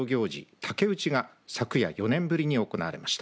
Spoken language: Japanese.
竹うちが昨夜、４年ぶりに行われました。